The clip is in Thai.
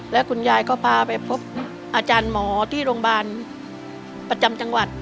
และคุณยายก็พาไปพบอาจารย์หมอที่โรงพยาบาลประจำจังหวัด